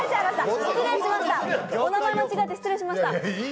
お名前間違えて、失礼しました。